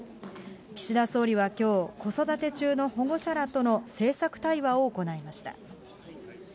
岸田総理はきょう、子育て中の保護者らとの政策対話を行いました。